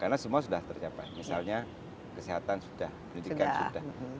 karena semua sudah tercapai misalnya kesehatan sudah pendidikan sudah